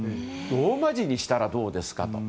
ローマ字にしたらどうですかと。